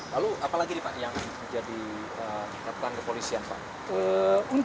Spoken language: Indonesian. lalu apa lagi nih pak yang menjadi kapal kepolisian